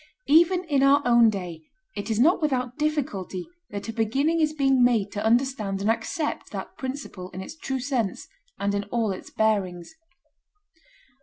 Even in our own day it is not without difficulty that a beginning is being made to understand and accept that principle in its true sense and in all its bearings.